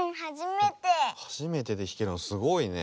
はじめてでひけるのすごいね。